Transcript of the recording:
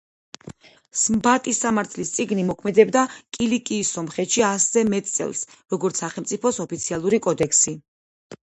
სმბატის სამართლის წიგნი მოქმედებდა კილიკიის სომხეთში ასზე მეტ წელს, როგორც სახელმწიფოს ოფიციალური კოდექსი.